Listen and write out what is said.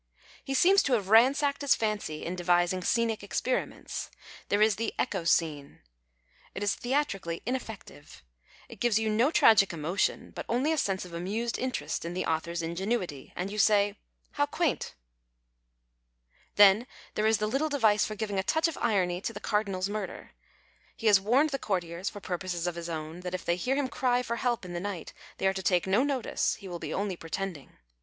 He seems to have ransacked his fancy in devising scenic experiments. There is the " echo " scene. It is theatrically ineffective. It gives you no tragic emotion, but only a sense of amused interest in the author's ingenuity, and you say, "How quaint!" Then there is the little device for giving a touch of irony to the Cardinal's murder. He has warned the courtiers, for purposes of his own, that if they hear him cry for help in the night they are to take no notice ; he will be only pretending.